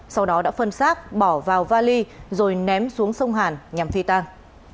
sau đó đã phân xác bỏ vào vali rồi ném xuống sông hàn nhằm phi tang